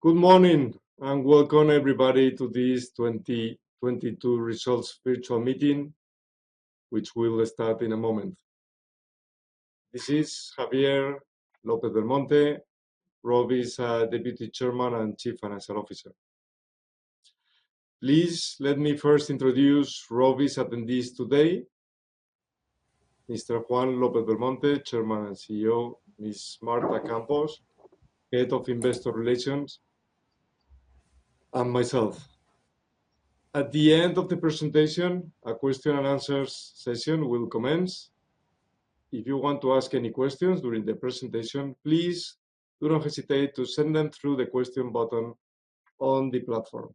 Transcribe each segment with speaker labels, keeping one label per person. Speaker 1: Good morning. Welcome everybody to this 2022 results virtual meeting, which will start in a moment. This is Javier López-Belmonte, Rovi's Deputy Chairman and Chief Financial Officer. Please let me first introduce Rovi's attendees today. Mr. Juan López-Belmonte, Chairman and CEO, Ms. Marta Campos, Head of Investor Relations, and myself. At the end of the presentation, a question and answers session will commence. If you want to ask any questions during the presentation, please do not hesitate to send them through the question button on the platform.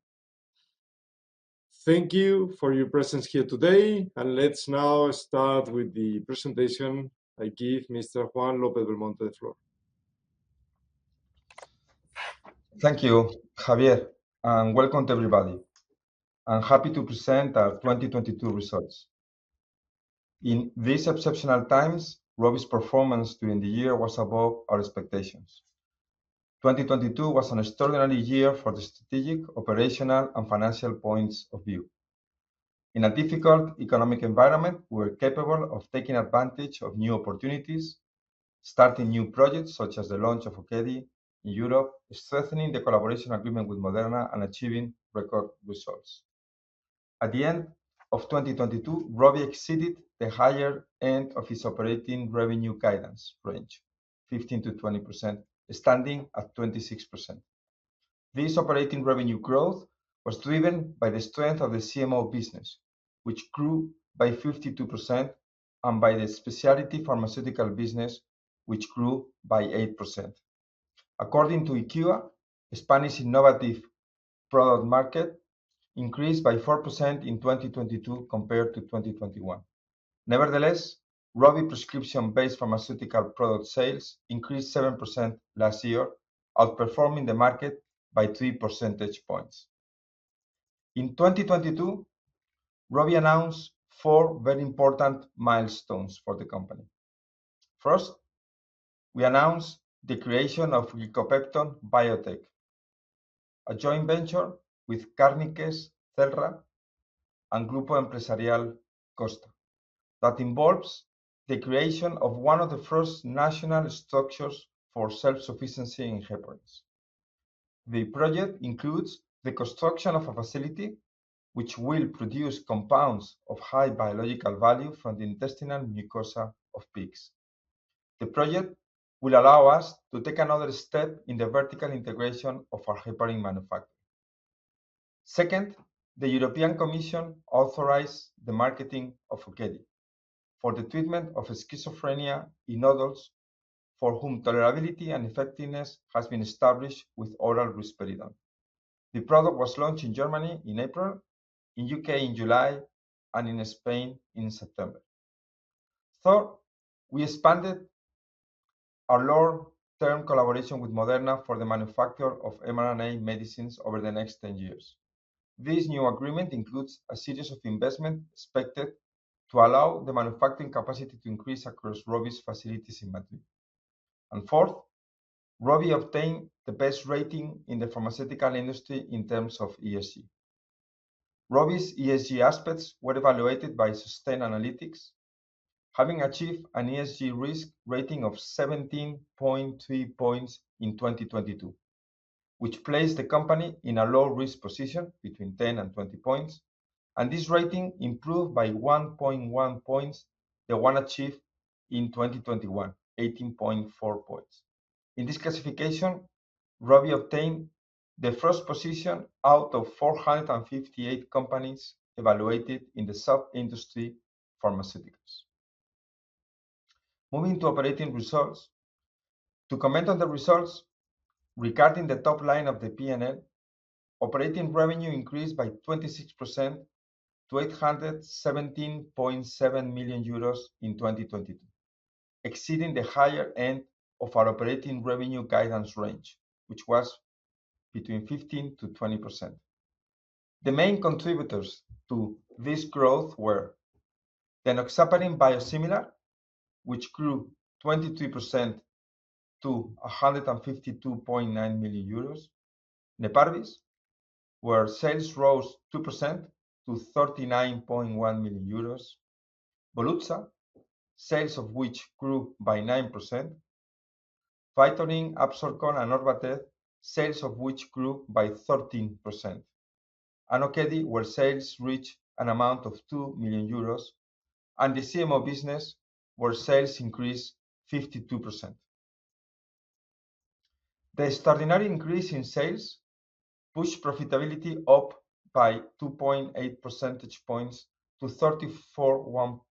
Speaker 1: Thank you for your presence here today. Let's now start with the presentation. I give Mr. Juan López-Belmonte the floor.
Speaker 2: Thank you, Javier, and welcome to everybody. I'm happy to present our 2022 results. In these exceptional times, Rovi's performance during the year was above our expectations. 2022 was an extraordinary year from the strategic, operational, and financial points of view. In a difficult economic environment, we were capable of taking advantage of new opportunities, starting new projects such as the launch of OKEDI in Europe, strengthening the collaboration agreement with Moderna, and achieving record results. At the end of 2022, Rovi exceeded the higher end of its operating revenue guidance range, 15%-20%, standing at 26%. This operating revenue growth was driven by the strength of the CMO business, which grew by 52%, and by the specialty pharmaceutical business, which grew by 8%. According to IQVIA, Spanish innovative product market increased by 4% in 2022 compared to 2021. Nevertheless, Rovi prescription-based pharmaceutical product sales increased 7% last year, outperforming the market by 3 percentage points. In 2022, Rovi announced four very important milestones for the company. First, we announced the creation of Glicopepton Biotech, a joint venture with Càrniques Celrà and Grupo Empresarial Costa, that involves the creation of one of the first national structures for self-sufficiency in heparins. The project includes the construction of a facility which will produce compounds of high biological value from the intestinal mucosa of pigs. The project will allow us to take another step in the vertical integration of our heparin manufacturing. Second, the European Commission authorized the marketing of OKEDI for the treatment of schizophrenia in adults for whom tolerability and effectiveness has been established with oral risperidone. The product was launched in Germany in April, in U.K. in July, and in Spain in September. Third, we expanded our long-term collaboration with Moderna for the manufacture of mRNA medicines over the next 10 years. This new agreement includes a series of investment expected to allow the manufacturing capacity to increase across Rovi's facilities in Madrid. Fourth, Rovi obtained the best rating in the pharmaceutical industry in terms of ESG. Rovi's ESG aspects were evaluated by Sustainalytics, having achieved an ESG risk rating of 17.3 points in 2022, which placed the company in a low-risk position between 10 and 20 points. This rating improved by 1.1 points, the one achieved in 2021, 18.4 points. In this classification, Rovi obtained the first position out of 458 companies evaluated in the sub-industry pharmaceuticals. Moving to operating results. To comment on the results, regarding the top line of the P&L, operating revenue increased by 26% to 817.7 million euros in 2022, exceeding the higher end of our operating revenue guidance range, which was between 15%-20%. The main contributors to this growth were the Enoxaparin Biosimilar, which grew 22% to 152.9 million euros. Neparvis, where sales rose 2% to 39.1 million euros. Volutsa, sales of which grew by 9%. Vytorin, Absorcol, and Orvatez, sales of which grew by 13%. OKEDI, where sales reached an amount of 2 million euros. The CMO business, where sales increased 52%. The extraordinary increase in sales pushed profitability up by 2.8 percentage points to 34.1%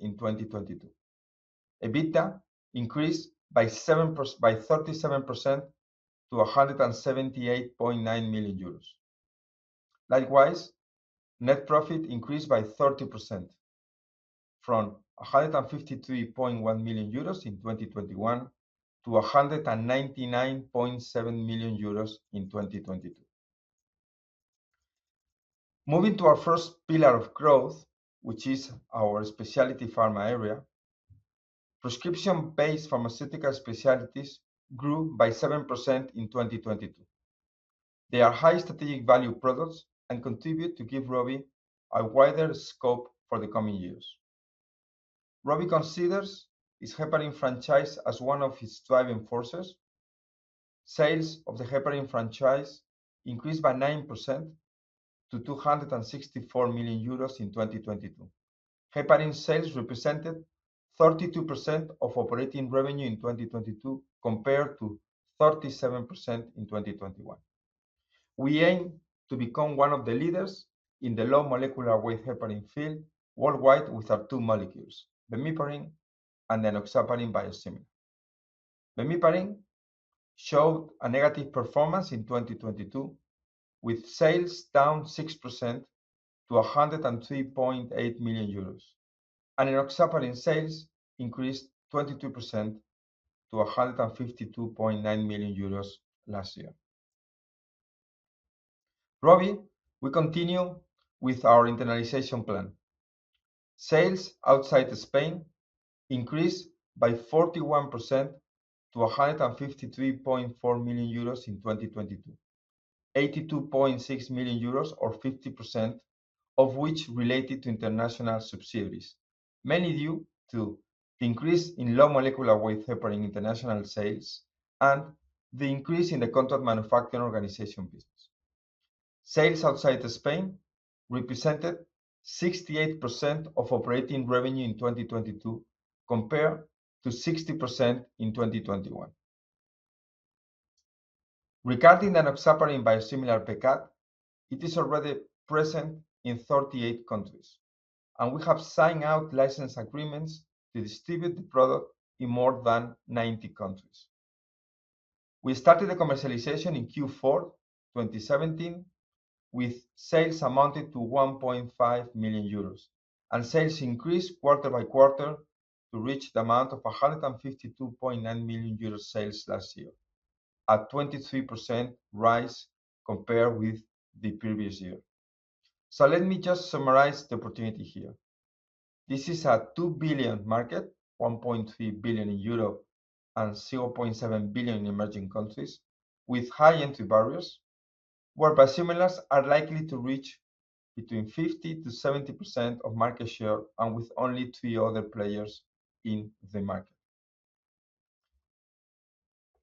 Speaker 2: in 2022. EBITDA increased by 37% to 178.9 million euros. Net profit increased by 30% from 153.1 million euros in 2021 to 199.7 million euros in 2022. Moving to our first pillar of growth, which is our specialty pharma area, prescription-based pharmaceutical specialties grew by 7% in 2022. They are high strategic value products and contribute to give Rovi a wider scope for the coming years. Rovi considers its heparin franchise as one of its driving forces. Sales of the heparin franchise increased by 9% to 264 million euros in 2022. Heparin sales represented 32% of operating revenue in 2022 compared to 37% in 2021. We aim to become one of the leaders in the low-molecular-weight heparin field worldwide with our two molecules, Bemiparin and Enoxaparin Biosimilar. Bemiparin showed a negative performance in 2022, with sales down 6% to 103.8 million euros, and Enoxaparin sales increased 22% to 152.9 million euros last year. Rovi, we continue with our internationalization plan. Sales outside Spain increased by 41% to 153.4 million euros in 2022. 82.6 million euros or 50% of which related to international subsidiaries, mainly due to the increase in low-molecular-weight heparin international sales and the increase in the Contract Manufacturing Organization business. Sales outside Spain represented 68% of operating revenue in 2022 compared to 60% in 2021. Regarding Enoxaparin Biosimilar Becat, it is already present in 38 countries. We have signed out license agreements to distribute the product in more than 90 countries. We started the commercialization in Q4, 2017, with sales amounted to 1.5 million euros. Sales increased quarter by quarter to reach the amount of 152.9 million euros sales last year, a 23% rise compared with the previous year. Let me just summarize the opportunity here. This is a 2 billion market, 1.3 billion in Europe and 0.7 billion in emerging countries with high entry barriers, where biosimilars are likely to reach between 50%-70% of market share with only three other players in the market.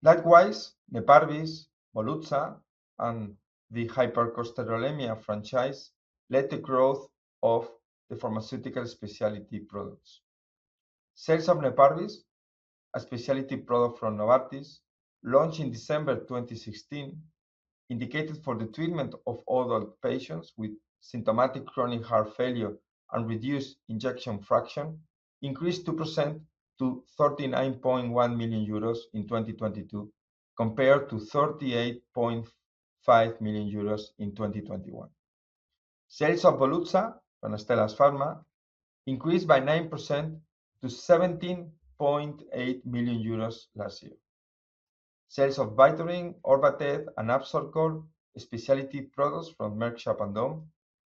Speaker 2: Likewise, Neparvis, Volutsa, and the hypercholesterolemia franchise led the growth of the pharmaceutical specialty products. Sales of Neparvis, a specialty product from Novartis, launched in December 2016, indicated for the treatment of adult patients with symptomatic chronic heart failure and reduced ejection fraction, increased 2% to 39.1 million euros in 2022 compared to 38.5 million euros in 2021. Sales of Volutsa from Astellas Pharma increased by 9% to 17.8 million euros last year. Sales of Vytorin, Orvatez, and Absorcol, specialty products from Merck Sharp & Dohme,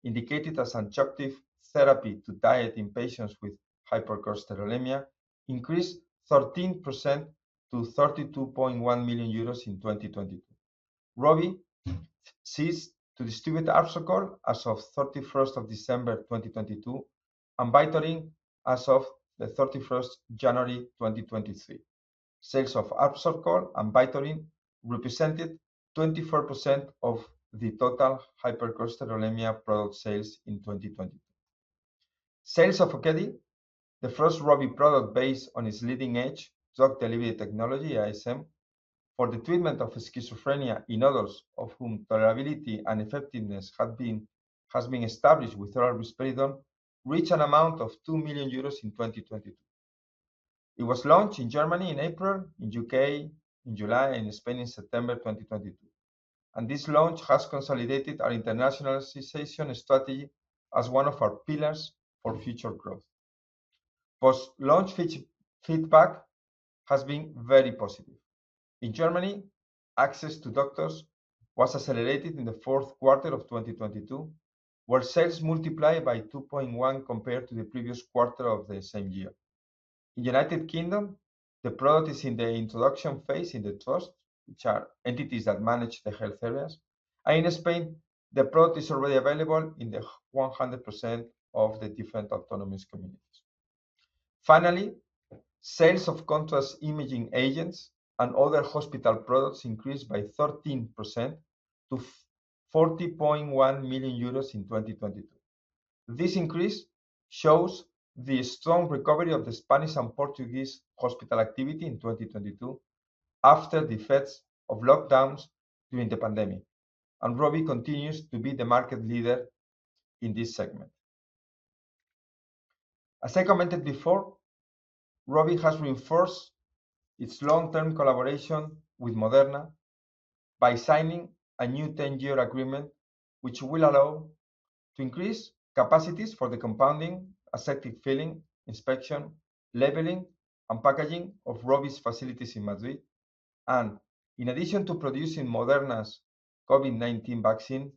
Speaker 2: indicated as adjunctive therapy to diet in patients with hypercholesterolemia, increased 13% to 32.1 million euros in 2022. Rovi ceased to distribute Absorcol as of 31st of December 2022 and Vytorin as of the 31st January 2023. Sales of Absorcol and Vytorin represented 24% of the total hypercholesterolemia product sales in 2022. Sales of OKEDI, the first Rovi product based on its leading-edge drug delivery technology, ISM, for the treatment of schizophrenia in others of whom tolerability and effectiveness has been established with oral risperidone, reached an amount of 2 million euros in 2022. It was launched in Germany in April, in U.K. in July, and in Spain in September 2022. This launch has consolidated our internationalization strategy as one of our pillars for future growth. Post-launch feed-feedback has been very positive. In Germany, access to doctors was accelerated in the fourth quarter of 2022, where sales multiplied by 2.1 compared to the previous quarter of the same year. In U.K., the product is in the introduction phase in the trusts, which are entities that manage the health areas. In Spain, the product is already available in the 100% of the different autonomous communities. Finally, sales of contrast imaging agents and other hospital products increased by 13% to 40.1 million euros in 2022. This increase shows the strong recovery of the Spanish and Portuguese hospital activity in 2022 after the effects of lockdowns during the pandemic. Rovi continues to be the market leader in this segment. As I commented before, Rovi has reinforced its long-term collaboration with Moderna by signing a new 10-year agreement, which will allow to increase capacities for the compounding, aseptic filling, inspection, labeling, and packaging of Rovi's facilities in Madrid. In addition to producing Moderna's COVID-19 vaccine,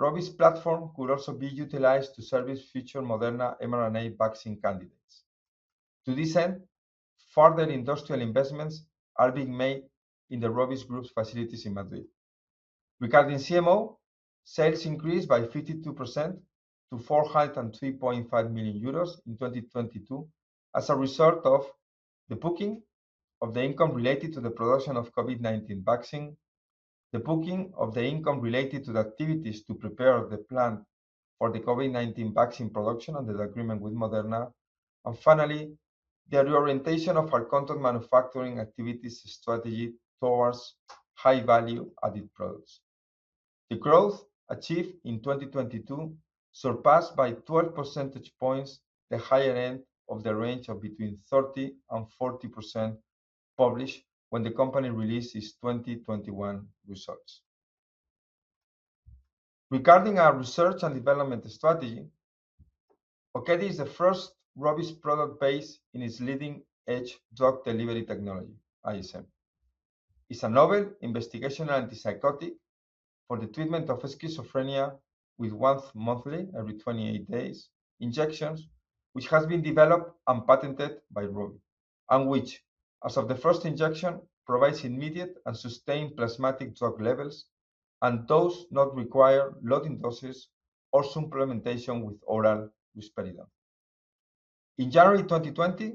Speaker 2: Rovi's platform could also be utilized to service future Moderna mRNA vaccine candidates. To this end, further industrial investments are being made in the Rovi's group's facilities in Madrid. Regarding CMO, sales increased by 52% to 403.5 million euros in 2022 as a result of the booking of the income related to the production of COVID-19 vaccine, the booking of the income related to the activities to prepare the plan for the COVID-19 vaccine production under the agreement with Moderna, finally, the reorientation of our contract manufacturing activities strategy towards high value added products. The growth achieved in 2022 surpassed by 12 percentage points the higher end of the range of between 30% and 40% published when the company released its 2021 results. Regarding our R&D strategy, OKEDI is the first Rovi's product base in its leading-edge drug delivery technology, ISM. It's a novel investigational antipsychotic for the treatment of schizophrenia with once monthly, every 28 days, injections which has been developed and patented by Rovi and which, as of the first injection, provides immediate and sustained plasmatic drug levels and does not require loading doses or supplementation with oral risperidone. In January 2020,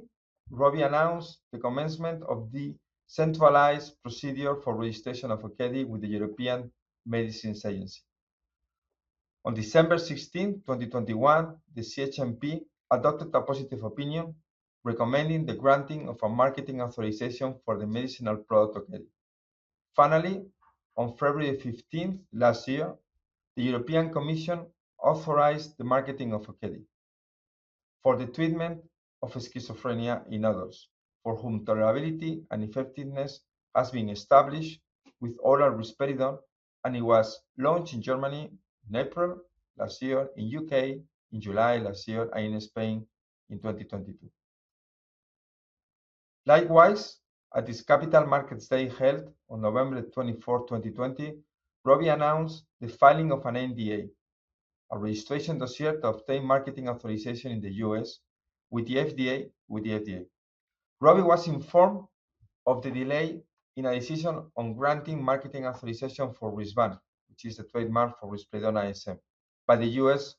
Speaker 2: Rovi announced the commencement of the centralized procedure for registration of OKEDI with the European Medicines Agency. On December 16, 2021, the CHMP adopted a positive opinion recommending the granting of a marketing authorization for the medicinal product OKEDI. Finally, on February 15th last year, the European Commission authorized the marketing of OKEDI for the treatment of schizophrenia in others for whom tolerability and effectiveness has been established with oral risperidone. It was launched in Germany in April last year, in U.K. in July last year, and in Spain in 2022. At its Capital Markets Day held on November 24, 2020, Rovi announced the filing of an NDA, a registration dossier to obtain marketing authorization in the U.S. with the FDA. Rovi was informed of the delay in a decision on granting marketing authorization for Risvan, which is the trademark for risperidone ISM by the U.S.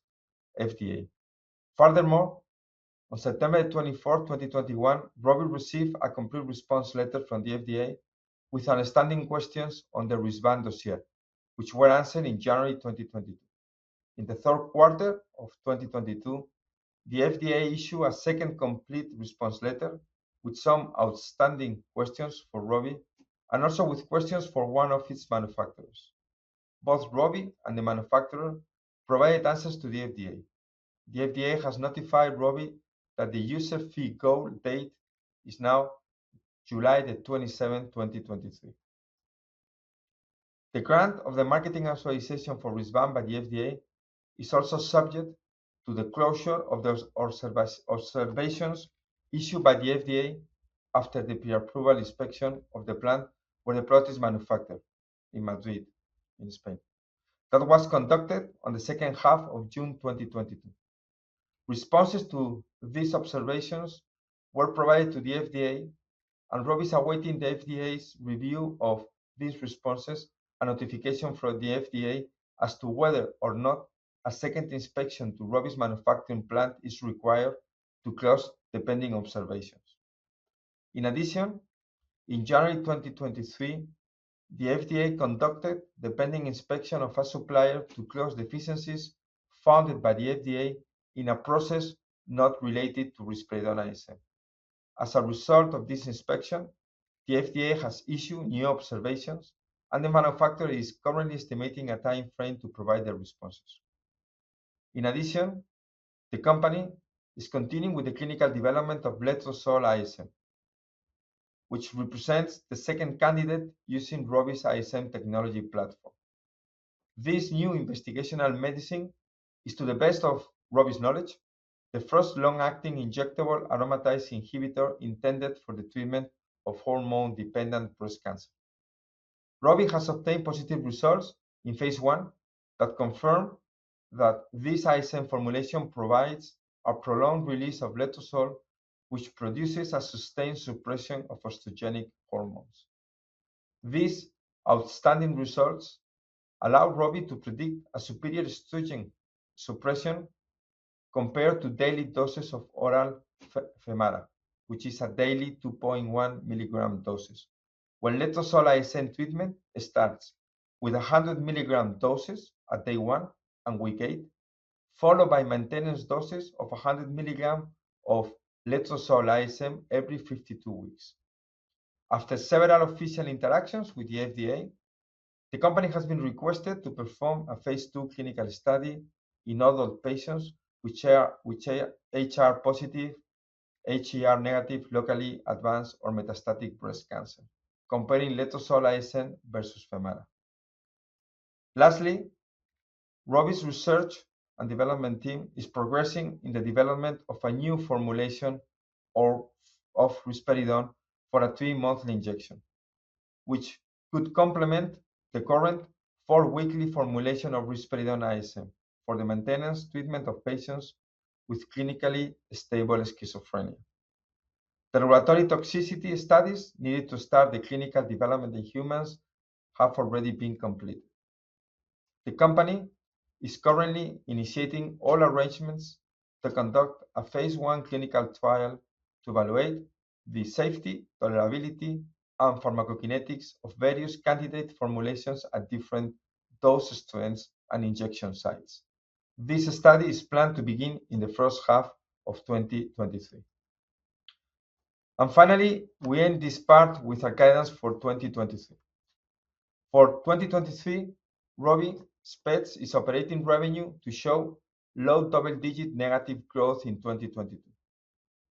Speaker 2: FDA. On September 24, 2021, Rovi received a complete response letter from the FDA with outstanding questions on the Risvan dossier, which were answered in January 2022. In the third quarter of 2022, the FDA issued a second complete response letter with some outstanding questions for Rovi and also with questions for one of its manufacturers. Both Rovi and the manufacturer provided answers to the FDA. The FDA has notified Rovi that the user fee goal date is now July 27, 2023. The grant of the marketing authorization for Risvan by the FDA is also subject to the closure of those observations issued by the FDA after the pre-approval inspection of the plant where the product is manufactured in Madrid, in Spain. That was conducted on the second half of June 2022. Responses to these observations were provided to the FDA. Rovi is awaiting the FDA's review of these responses and notification from the FDA as to whether or not a second inspection to Rovi's manufacturing plant is required to close the pending observations. In January 2023, the FDA conducted the pending inspection of a supplier to close deficiencies found by the FDA in a process not related to risperidone ISM. As a result of this inspection, the FDA has issued new observations. The manufacturer is currently estimating a timeframe to provide their responses. In addition, the company is continuing with the clinical development of Letrozole ISM, which represents the second candidate using Rovi's ISM technology platform. This new investigational medicine is, to the best of Rovi's knowledge, the first long-acting injectable aromatase inhibitor intended for the treatment of hormone-dependent breast cancer. Rovi has obtained positive results in phase I that confirm that this ISM formulation provides a prolonged release of letrozole, which produces a sustained suppression of estrogenic hormones. These outstanding results allow Rovi to predict a superior estrogen suppression compared to daily doses of oral Femara, which is a daily 2.1 milligram doses. When Letrozole ISM treatment starts with 100 milligram doses at day one and week eight, followed by maintenance doses of 100 milligram of Letrozole ISM every 52 weeks. After several official interactions with the FDA, the company has been requested to perform a phase II clinical study in adult patients which are HR-positive, HER2-negative, locally advanced or metastatic breast cancer, comparing Letrozole ISM versus Femara. Lastly, Rovi's research and development team is progressing in the development of a new formulation of risperidone for a three-monthly injection, which could complement the current four-weekly formulation of risperidone ISM for the maintenance treatment of patients with clinically stable schizophrenia. The regulatory toxicity studies needed to start the clinical development in humans have already been completed. The company is currently initiating all arrangements to conduct a phase I clinical trial to evaluate the safety, tolerability, and pharmacokinetics of various candidate formulations at different dose strengths and injection sites. This study is planned to begin in the first half of 2023. Finally, we end this part with our guidance for 2023. For 2023, Rovi expects its operating revenue to show low double-digit negative growth in 2022,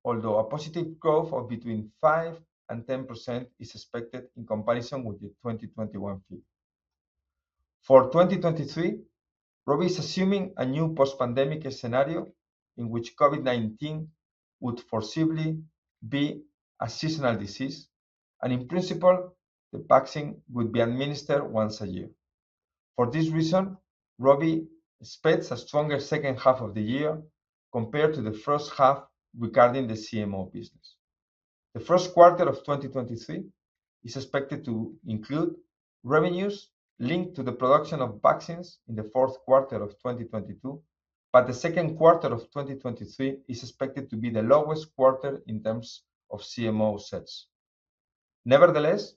Speaker 2: although a positive growth of between 5% and 10% is expected in comparison with the 2021 figure. For 2023, Rovi is assuming a new post-pandemic scenario in which COVID-19 would forcibly be a seasonal disease, and in principle, the vaccine would be administered once a year. For this reason, Rovi expects a stronger second half of the year compared to the first half regarding the CMO business. The first quarter of 2023 is expected to include revenues linked to the production of vaccines in the fourth quarter of 2022, but the second quarter of 2023 is expected to be the lowest quarter in terms of CMO sales. Nevertheless,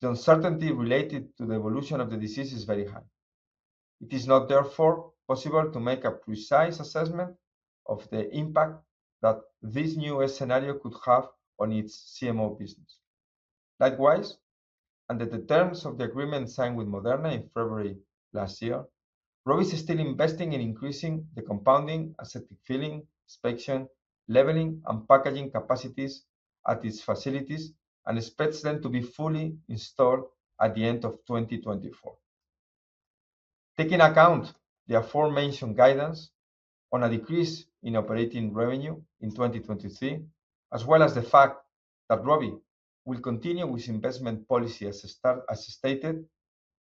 Speaker 2: the uncertainty related to the evolution of the disease is very high. It is not therefore possible to make a precise assessment of the impact that this new scenario could have on its CMO business. Likewise, under the terms of the agreement signed with Moderna in February last year, Rovi is still investing in increasing the compounding, aseptic filling, inspection, labeling, and packaging capacities at its facilities and expects them to be fully installed at the end of 2024. Taking account the aforementioned guidance on a decrease in operating revenue in 2023, as well as the fact that Rovi will continue with investment policy as stated,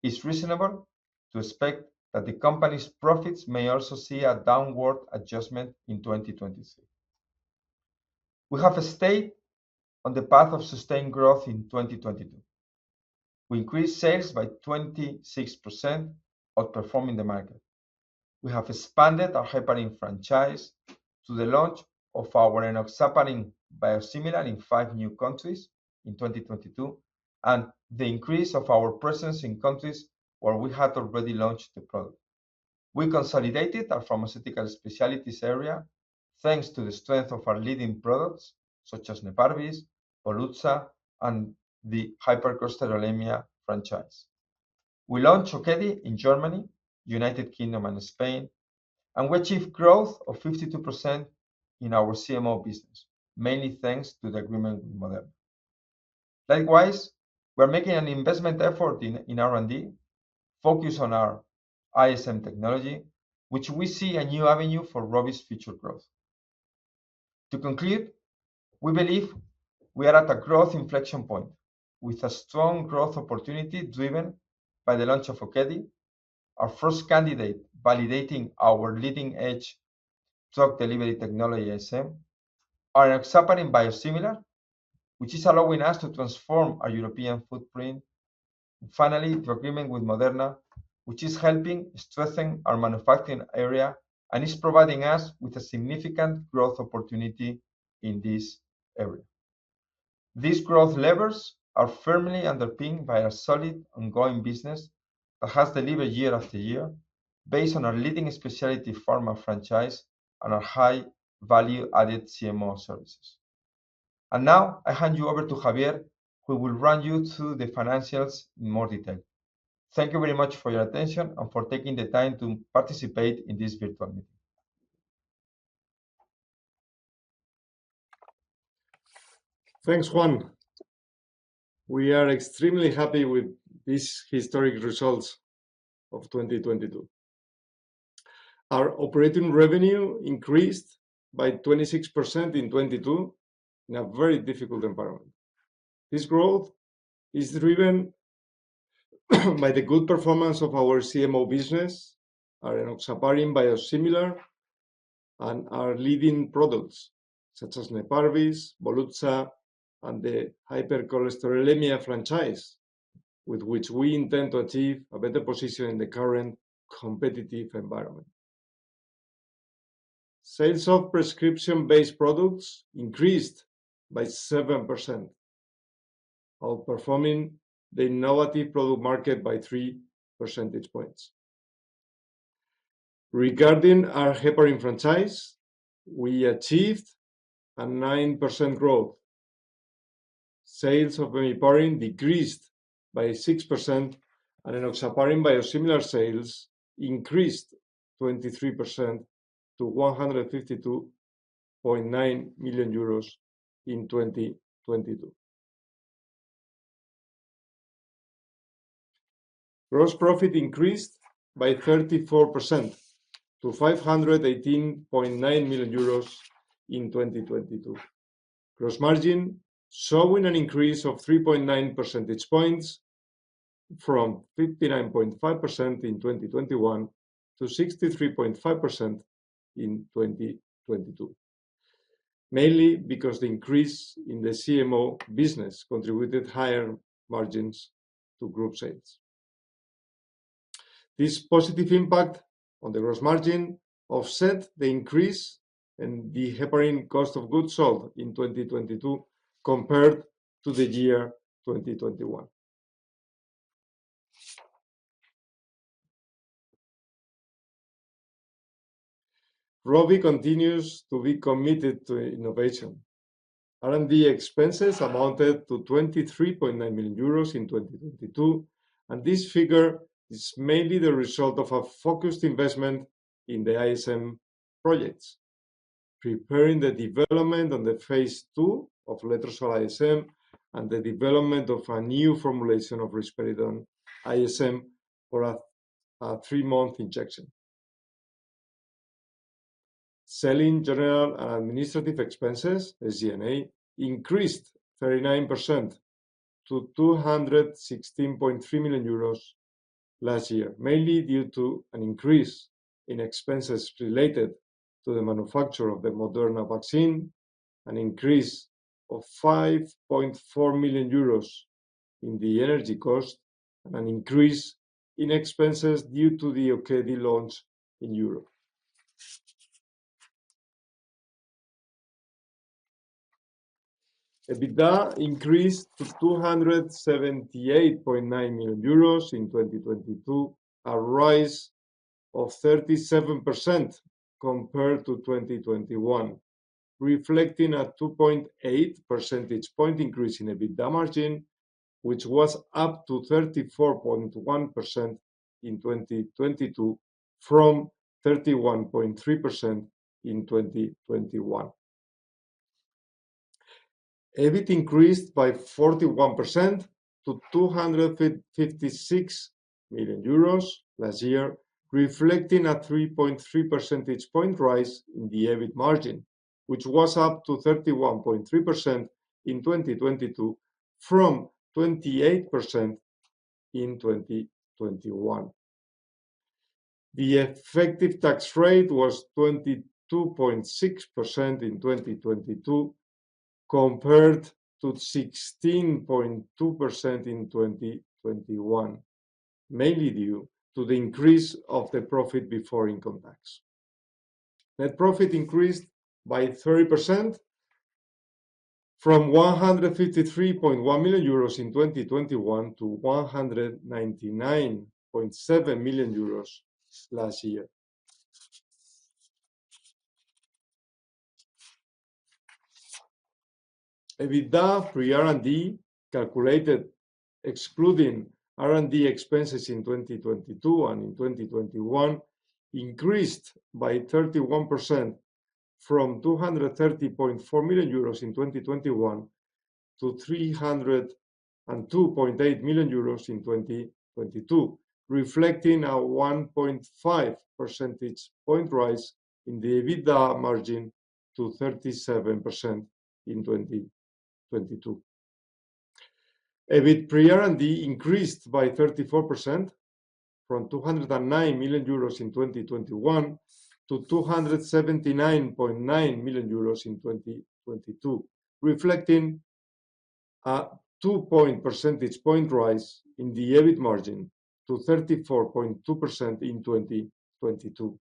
Speaker 2: it's reasonable to expect that the company's profits may also see a downward adjustment in 2023. We have stayed on the path of sustained growth in 2022. We increased sales by 26%, outperforming the market. We have expanded our heparin franchise to the launch of our Enoxaparin Biosimilar in five new countries in 2022 and the increase of our presence in countries where we had already launched the product. We consolidated our pharmaceutical specialties area thanks to the strength of our leading products, such as Neparvis, Volutsa, and the hypercholesterolemia franchise. We launched OKEDI in Germany, United Kingdom, and Spain, and we achieved growth of 52% in our CMO business, mainly thanks to the agreement with Moderna. Likewise, we're making an investment effort in R&D focused on our ISM technology, which we see a new avenue for Rovi's future growth. To conclude, we believe we are at a growth inflection point with a strong growth opportunity driven by the launch of OKEDI, our first candidate validating our leading-edge drug delivery technology, ISM. Our Enoxaparin Biosimilar, which is allowing us to transform our European footprint. The agreement with Moderna, which is helping strengthen our manufacturing area and is providing us with a significant growth opportunity in this area. These growth levers are firmly underpinned by our solid ongoing business that has delivered year after year based on our leading specialty pharma franchise and our high-value-added CMO services. Now, I hand you over to Javier, who will run you through the financials in more detail. Thank you very much for your attention and for taking the time to participate in this virtual meeting.
Speaker 1: Thanks, Juan. We are extremely happy with these historic results of 2022. Our operating revenue increased by 26% in 2022 in a very difficult environment. This growth is driven by the good performance of our CMO business, our Enoxaparin Biosimilar, and our leading products, such as Neparvis, Volutsa, and the hypercholesterolemia franchise, with which we intend to achieve a better position in the current competitive environment. Sales of prescription-based products increased by 7%, outperforming the innovative product market by 3 percentage points. Regarding our heparin franchise, we achieved a 9% growth. Sales of Enoxaparin decreased by 6%. Enoxaparin Biosimilar sales increased 23% to 152.9 million euros in 2022. Gross profit increased by 34% to 518.9 million euros in 2022. Gross margin showing an increase of 3.9 percentage points from 59.5% in 2021 to 63.5% in 2022, mainly because the increase in the CMO business contributed higher margins to group sales. This positive impact on the gross margin offset the increase in the heparin cost of goods sold in 2022 compared to the year 2021. Rovi continues to be committed to innovation. R&D expenses amounted to 23.9 million euros in 2022, and this figure is mainly the result of a focused investment in the ISM projects, preparing the development on the phase II of Letrozole ISM and the development of a new formulation of risperidone ISM for a three-month injection. Selling, general, and administrative expenses, SG&A, increased 39% to 216.3 million euros last year, mainly due to an increase in expenses related to the manufacture of the Moderna vaccine, an increase of 5.4 million euros in the energy cost, and an increase in expenses due to the OKEDI launch in Europe. EBITDA increased to 278.9 million euros in 2022, a rise of 37% compared to 2021, reflecting a 2.8 percentage point increase in EBITDA margin, which was up to 34.1% in 2022 from 31.3% in 2021. EBIT increased by 41% to 256 million euros last year, reflecting a 3.3 percentage point rise in the EBIT margin, which was up to 31.3% in 2022 from 28% in 2021. The effective tax rate was 22.6% in 2022 compared to 16.2% in 2021, mainly due to the increase of the profit before income tax. Net profit increased by 30% from 153.1 million euros In 2021 to 199.7 million euros Last year. EBITDA pre R&D calculated excluding R&D expenses in 2022 and in 2021 increased by 31% from 230 million euros in 2021 to 302.8 million euros in 2022, reflecting a 1.5 percentage point rise in the EBITDA margin to 37% in 2022. EBIT pre R&D increased by 34% from 209 million euros in 2021 to 279.9 million euros In 2022, reflecting a 2 percentage point rise in the EBIT margin to 34.2% in 2022.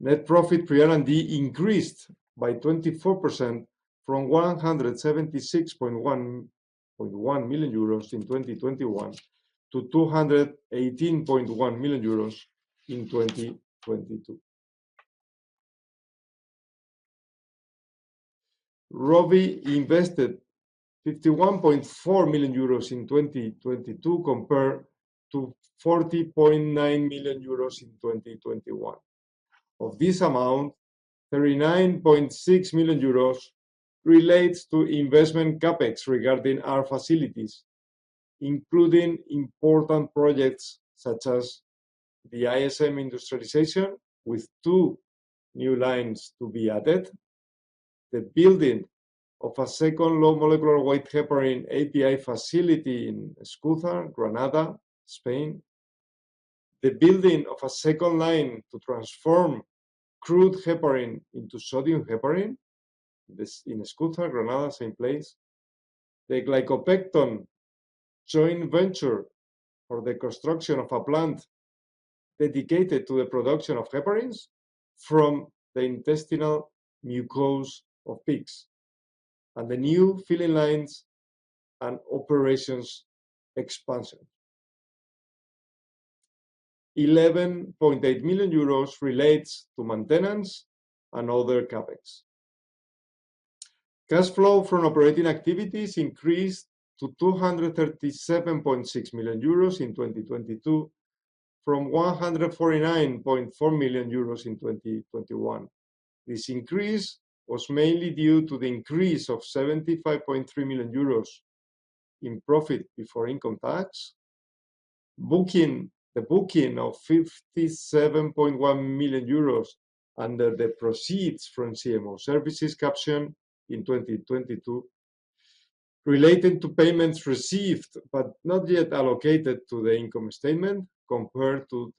Speaker 1: Net profit pre R&D increased by 24% from 176.1 million euros in 2021 to 218.1 million euros In 2022. Rovi invested 51.4 million euros in 2022 compared to 40.9 million euros in 2021. Of this amount, 39.6 million euros relates to investment CapEx regarding our facilities, including important projects such as the ISM industrialization with two new lines to be added, the building of a second low-molecular-weight heparin API facility in Escúzar, Granada, Spain, the building of a second line to transform crude heparin into sodium heparin, this in Escúzar, Granada, same place, the Glicopepton joint venture for the construction of a plant dedicated to the production of heparins from the intestinal mucosa of pigs, and the new filling lines and operations expansion. 11.8 million euros relates to maintenance and other CapEx. Cash flow from operating activities increased to 237.6 million euros in 2022 from 149.4 million euros in 2021. This increase was mainly due to the increase of 75.3 million euros in profit before income tax. The booking of 57.1 million euros under the proceeds from CMO services caption in 2022 relating to payments received but not yet allocated to the income statement, compared to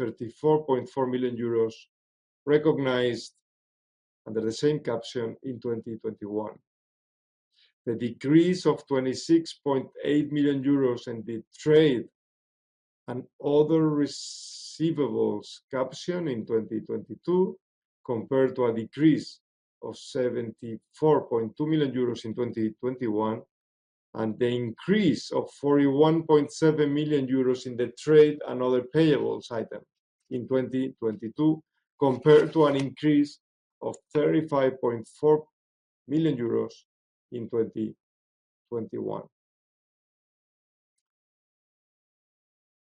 Speaker 1: 34.4 million euros recognized under the same caption in 2021. The decrease of 26.8 million euros in the trade and other receivables caption in 2022 compared to a decrease of 74.2 million euros in 2021, and the increase of 41.7 million euros in the trade and other payables item in 2022 compared to an increase of 35.4 million euros in 2021.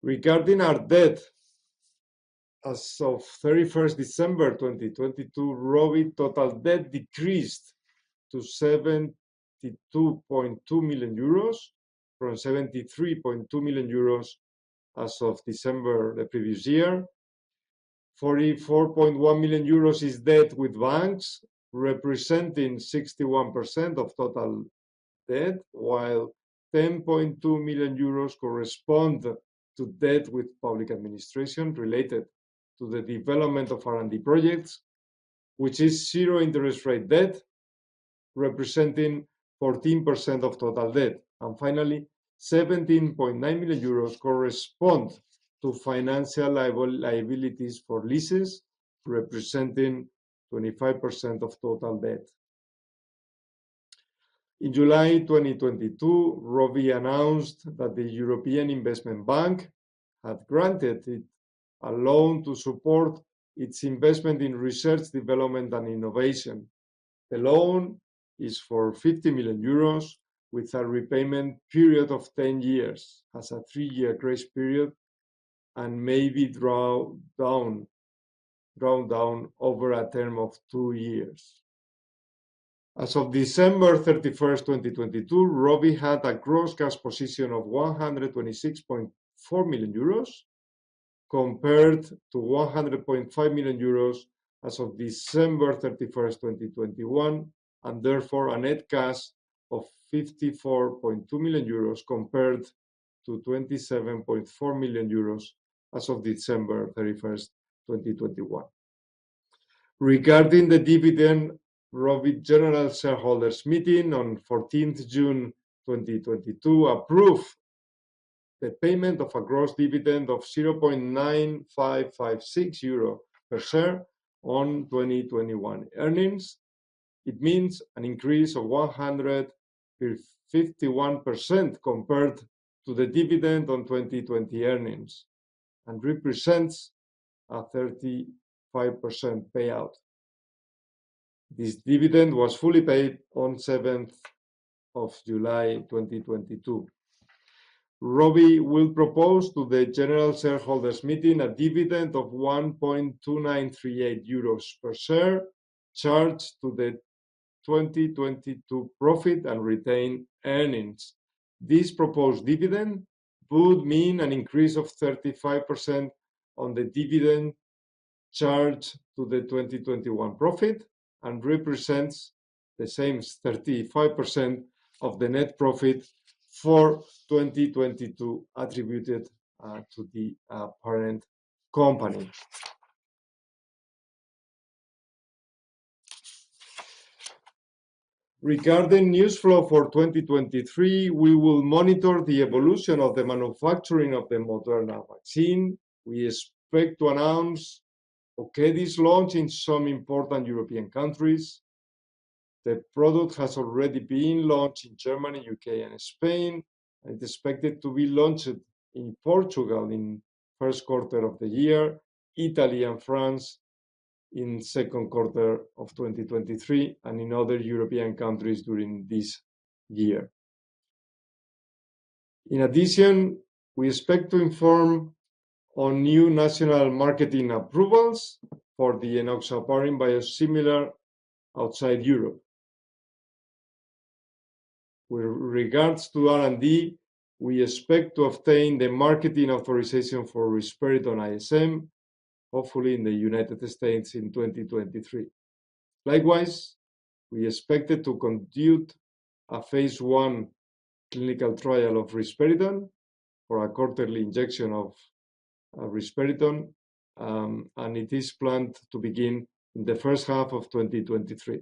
Speaker 1: Regarding our debt, as of very first December 2022, Rovi total debt decreased to 72.2 million euros from 73.2 million euros as of December the previous year. 44.1 million euros is debt with banks, representing 61% of total debt, while 10.2 million euros correspond to debt with public administration related to the development of R&D projects, which is zero interest rate debt, representing 14% of total debt. Finally, 17.9 million euros correspond to financial liabilities for leases, representing 25% of total debt. In July 2022, Rovi announced that the European Investment Bank had granted it a loan to support its investment in research, development, and innovation. The loan is for 50 million euros with a repayment period of 10 years, has a three-year grace period, and may be drawn down over a term of two years. As of December 31st, 2022, Rovi had a gross cash position of 126.4 million euros compared to 100.5 million euros as of December 31st, 2021, therefore an net cash of 54.2 million euros compared to 27.4 million euros as of December 31st, 2021. Regarding the dividend, Rovi general shareholders meeting on June 14th, 2022 approved the payment of a gross dividend of 0.9556 euro per share on 2021 earnings. It means an increase of 151% compared to the dividend on 2020 earnings and represents a 35% payout. This dividend was fully paid on July 7th, 2022. Rovi will propose to the general shareholders meeting a dividend of 1.2938 euros per share, charged to the 2022 profit and retain earnings. This proposed dividend would mean an increase of 35% on the dividend charged to the 2021 profit and represents the same as 35% of the net profit for 2022 attributed to the parent company. Regarding news flow for 2023, we will monitor the evolution of the manufacturing of the Moderna vaccine. We expect to announce OKEDI launch in some important European countries. The product has already been launched in Germany, U.K., and Spain, and expected to be launched in Portugal in first quarter of the year, Italy and France in second quarter of 2023, and in other European countries during this year. In addition, we expect to inform on new national marketing approvals for the Enoxaparin Biosimilar outside Europe. With regards to R&D, we expect to obtain the marketing authorization for risperidone ISM, hopefully in the United States in 2023. Likewise, we expected to conduct a phase I clinical trial of risperidone for a quarterly injection of risperidone, and it is planned to begin in the first half of 2023.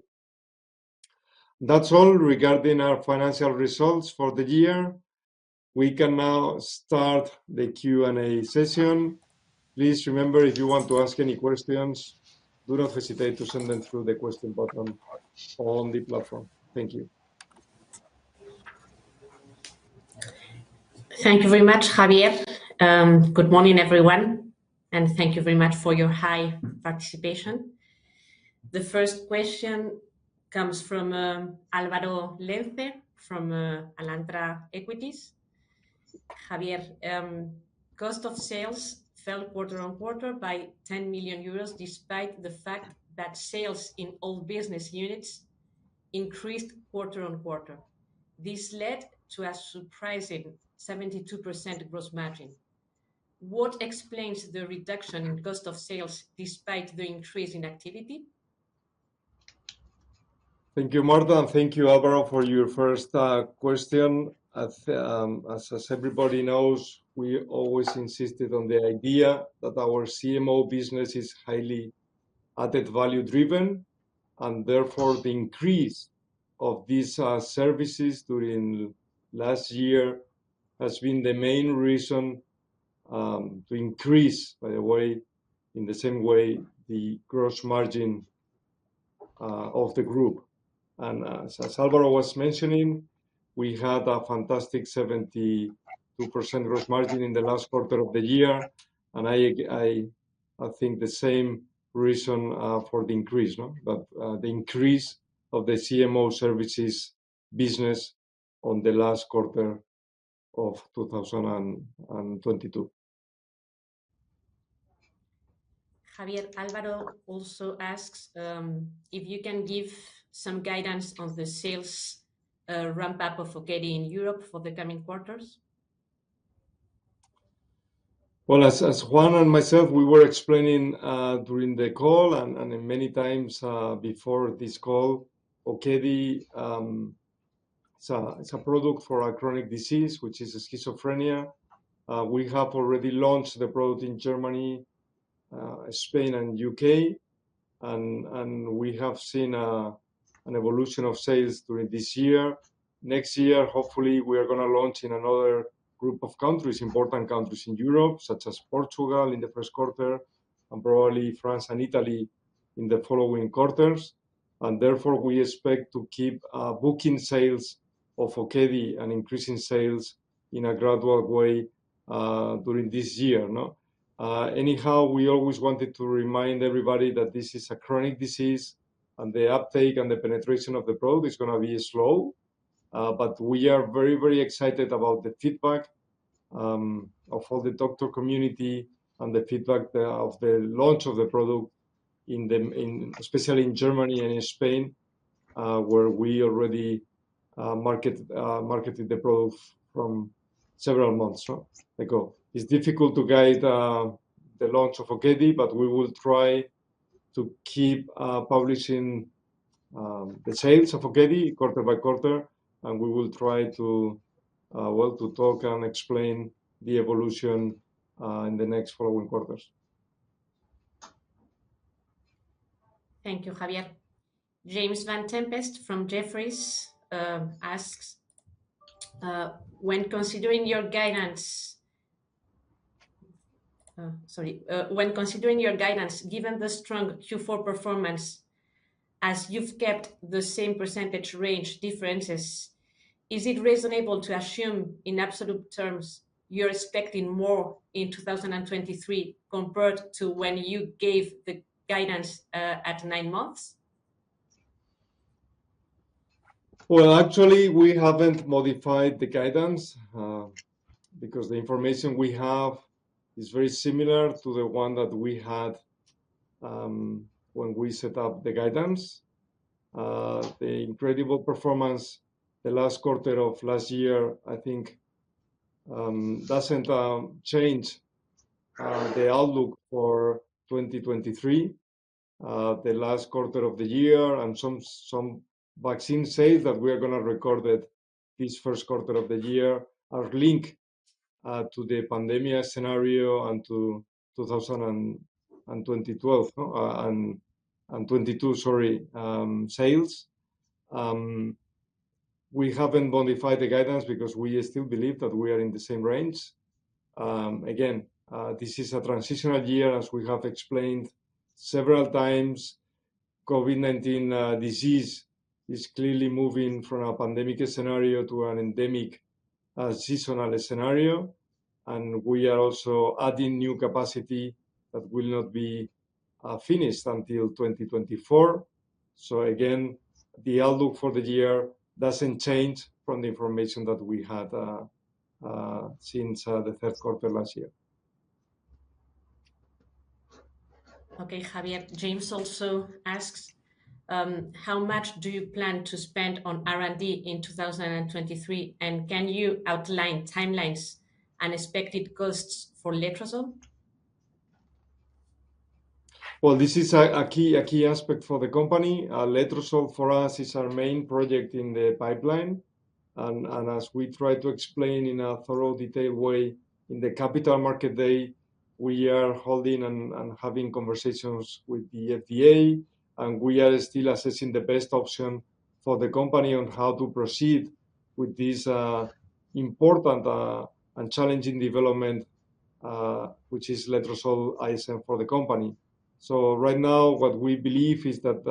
Speaker 1: That's all regarding our financial results for the year. We can now start the Q&A session. Please remember, if you want to ask any questions, do not hesitate to send them through the question button on the platform. Thank you.
Speaker 3: Thank you very much, Javier. Good morning, everyone, and thank you very much for your high participation. The first question comes from Álvaro Lestón from Alantra Equities. Javier, cost of sales fell quarter-on-quarter by 10 million euros despite the fact that sales in all business units increased quarter-on-quarter. This led to a surprising 72% gross margin. What explains the reduction in cost of sales despite the increase in activity?
Speaker 1: Thank you, Marta, and thank you Álvaro for your first question. As everybody knows, we always insisted on the idea that our CMO business is highly added value driven, and therefore the increase of these services during last year has been the main reason to increase, by the way, in the same way, the gross margin of the group. As Álvaro was mentioning, we had a fantastic 72% gross margin in the last quarter of the year, and I think the same reason for the increase, no? The increase of the CMO services business on the last quarter of 2022.
Speaker 3: Javier, Álvaro also asks, if you can give some guidance on the sales ramp-up of OKEDI in Europe for the coming quarters.
Speaker 1: Well, as Juan and myself, we were explaining during the call and many times before this call, OKEDI, it's a product for a chronic disease, which is schizophrenia. We have already launched the product in Germany, Spain and U.K., and we have seen an evolution of sales during this year. Next year, hopefully we are gonna launch in another group of countries, important countries in Europe, such as Portugal in the first quarter, and probably France and Italy in the following quarters. Therefore, we expect to keep booking sales of OKEDI and increasing sales in a gradual way during this year, no? Anyhow, we always wanted to remind everybody that this is a chronic disease and the uptake and the penetration of the product is gonna be slow. We are very, very excited about the feedback of all the doctor community and the feedback of the launch of the product especially in Germany and in Spain, where we already marketed the product from several months, no? Ago. It's difficult to guide the launch of OKEDI, but we will try to keep publishing the sales of OKEDI quarter by quarter, and we will try to well, to talk and explain the evolution in the next following quarters.
Speaker 3: Thank you, Javier. James Vane-Tempest from Jefferies asks, "When considering your guidance, given the strong Q4 performance as you've kept the same percentage range differences, is it reasonable to assume in absolute terms you're expecting more in 2023 compared to when you gave the guidance at nine months?"
Speaker 1: Well, actually, we haven't modified the guidance because the information we have is very similar to the one that we had when we set up the guidance. The incredible performance the last quarter of last year, I think, doesn't change the outlook for 2023. The last quarter of the year and some vaccine sales that we are gonna record at this first quarter of the year are linked to the pandemia scenario and to 2022 sales. We haven't modified the guidance because we still believe that we are in the same range. Again, this is a transitional year, as we have explained several times. COVID-19 disease is clearly moving from a pandemic scenario to an endemic seasonal scenario. We are also adding new capacity that will not be finished until 2024. Again, the outlook for the year doesn't change from the information that we had since the third quarter last year.
Speaker 3: Okay. Javier, James also asks, "How much do you plan to spend on R&D in 2023? Can you outline timelines and expected costs for Letrozole?"
Speaker 1: Well, this is a key aspect for the company. Letrozole for us is our main project in the pipeline. As we try to explain in a thorough detailed way in the Capital Market Day, we are holding and having conversations with the FDA, and we are still assessing the best option for the company on how to proceed with this important and challenging development, which is Letrozole ISM for the company. Right now, what we believe is that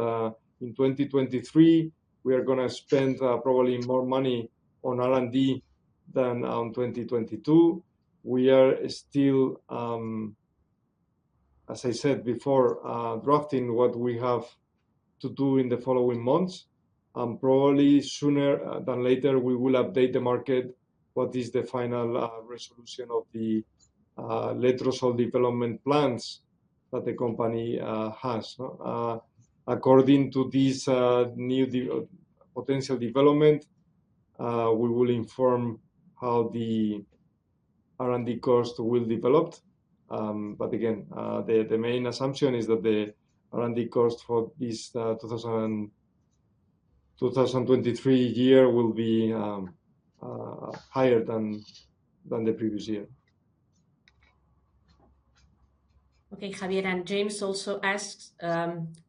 Speaker 1: in 2023, we are gonna spend probably more money on R&D than 2022. We are still as I said before, drafting what we have to do in the following months. Probably sooner than later, we will update the market what is the final resolution of the Letrozole development plans that the company has. According to this new potential development, we will inform how the R&D cost will develop. Again, the main assumption is that the R&D cost for this 2023 year will be higher than the previous year.
Speaker 3: Okay, Javier. James also asks,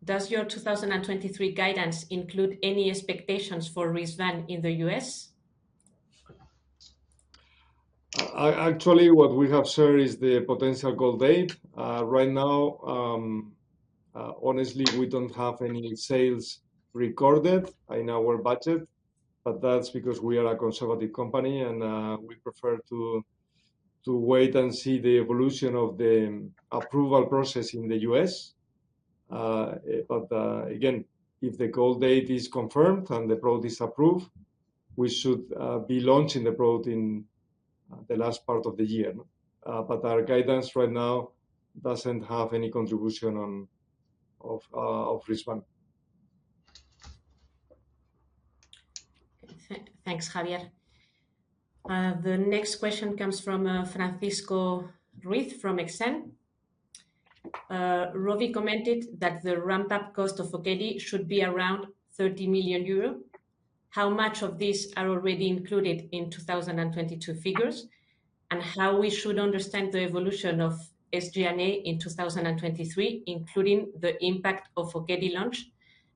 Speaker 3: does your 2023 guidance include any expectations for Risvan in the U.S.?
Speaker 1: Actually, what we have shared is the potential goal date. Right now, honestly, we don't have any sales recorded in our budget, but that's because we are a conservative company and we prefer to wait and see the evolution of the approval process in the U.S. Again, if the goal date is confirmed and the product is approved, we should be launching the product in the last part of the year. Our guidance right now doesn't have any contribution on of Risvan.
Speaker 3: Okay. Thanks, Javier. The next question comes from Francisco Ruiz from Exane. Rovi commented that the ramp-up cost of OKEDI should be around 30 million euros. How much of this are already included in 2022 figures? How we should understand the evolution of SG&A in 2023, including the impact of OKEDI launch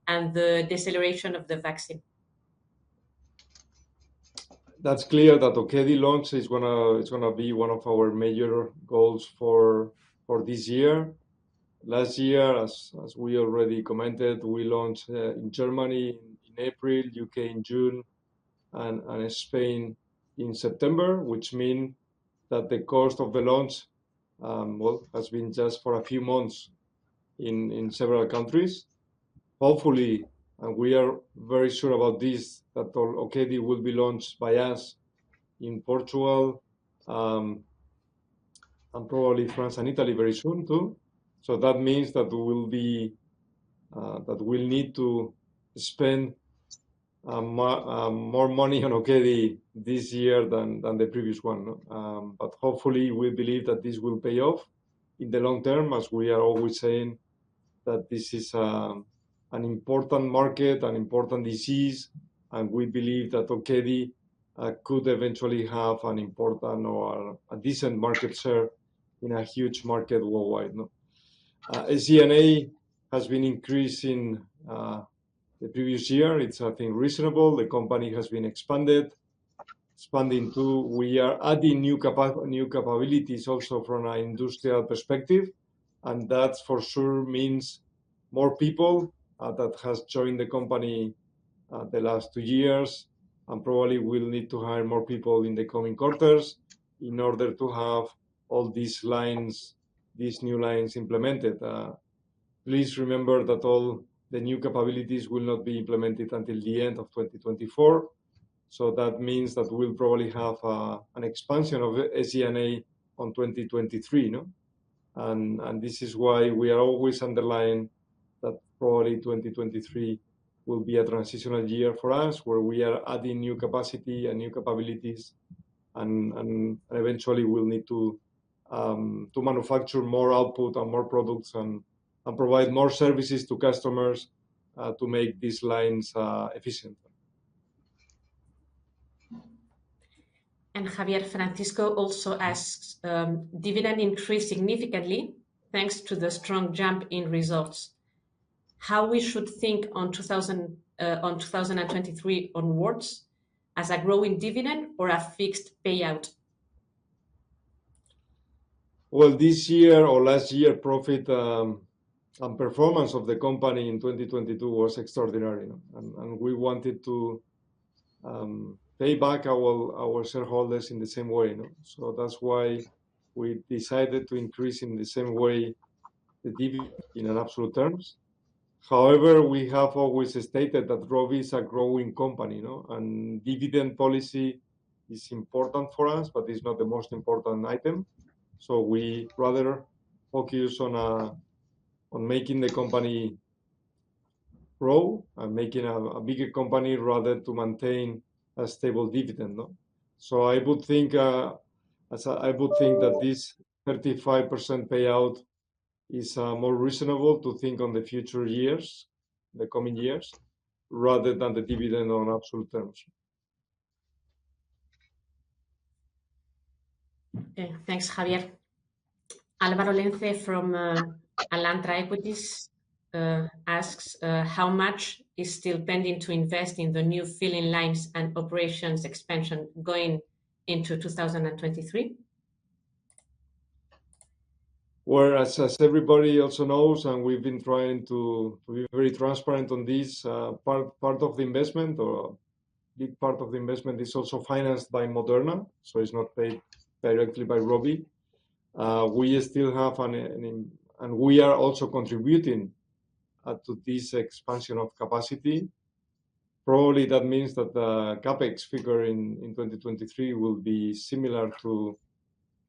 Speaker 3: and the deceleration of the vaccine?
Speaker 1: That's clear that OKEDI launch is gonna be one of our major goals for this year. Last year, as we already commented, we launched in Germany in April, U.K. in June and Spain in September, which mean that the cost of the launch, well, has been just for a few months in several countries. Hopefully, and we are very sure about this, that OKEDI will be launched by us in Portugal, and probably France and Italy very soon too. That means that we'll need to spend more money on OKEDI this year than the previous one, no. Hopefully, we believe that this will pay off in the long term, as we are always saying that this is an important market, an important disease. We believe that OKEDI could eventually have an important or a decent market share in a huge market worldwide, no. SG&A has been increasing the previous year. It's, I think, reasonable. The company has been expanding too. We are adding new capabilities also from an industrial perspective, and that for sure means more people that has joined the company the last two years. Probably we'll need to hire more people in the coming quarters in order to have all these lines, these new lines implemented. Please remember that all the new capabilities will not be implemented until the end of 2024. That means that we'll probably have an expansion of SG&A on 2023, no. This is why we are always underlying that probably 2023 will be a transitional year for us, where we are adding new capacity and new capabilities and eventually we'll need to manufacture more output and more products and provide more services to customers to make these lines efficient.
Speaker 3: Javier, Francisco also asks, dividend increased significantly, thanks to the strong jump in results. How we should think on 2023 onwards, as a growing dividend or a fixed payout?
Speaker 1: This year or last year profit, and performance of the company in 2022 was extraordinary, no? We wanted to pay back our shareholders in the same way, no? That's why we decided to increase in the same way the divi- in absolute terms. However, we have always stated that Rovi is a growing company, no? Dividend policy is important for us, but it's not the most important item. We rather focus on making the company grow and making a bigger company rather to maintain a stable dividend, no? I would think I would think that this 35% payout is more reasonable to think on the future years, the coming years, rather than the dividend on absolute terms.
Speaker 3: Okay. Thanks, Javier. Álvaro Leston from Alantra Equities asks how much is still pending to invest in the new filling lines and operations expansion going into 2023?
Speaker 1: As everybody also knows, and we've been trying to be very transparent on this, part of the investment or big part of the investment is also financed by Moderna. It's not paid directly by Rovi. We are also contributing to this expansion of capacity. Probably that means that the CapEx figure in 2023 will be similar to